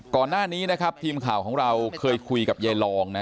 ก่อนหน้านี้นะครับทีมข่าวของเราเคยคุยกับยายรองนะ